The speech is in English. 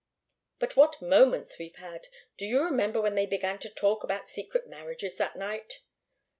But what moments we've had. Do you remember when they began to talk about secret marriages that night?"